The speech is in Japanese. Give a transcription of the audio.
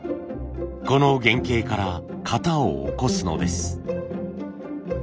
この原型から型を起こすのです。